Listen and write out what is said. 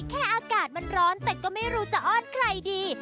อากาศมันร้อนแต่ก็ไม่รู้จะอ้อนใครดี